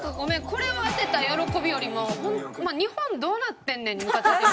これを当てた喜びよりも日本どうなってんねん？にむかついてる。